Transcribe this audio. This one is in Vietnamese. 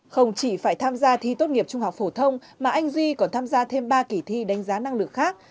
không chỉ phải tham gia thi tốt nghiệp trung học phổ thông mà anh duy còn tham gia thêm ba kỳ thi đánh giá năng lực khác